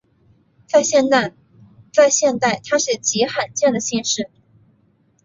在现代它是极罕见的姓氏。